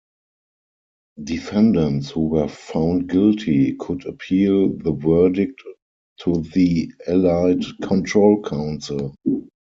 Defendants who were found guilty could appeal the verdict to the Allied Control Council.